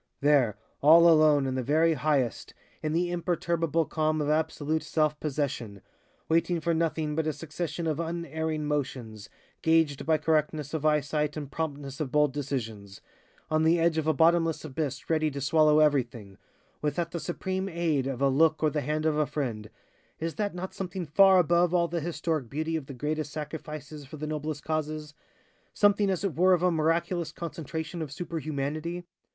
"There, all alone, in the very highest, in the imperturbable calm of absolute self possession, waiting for nothing but a succession of unerring motions gauged by correctness of eyesight and promptness of bold decisions, on the edge of a bottomless abyss ready to swallow everything, without the supreme aid of a look or the hand of a friend is that not something far above all the historic beauty of the greatest sacrifices for the noblest causes something as it were of a miraculous concentration of superhumanity?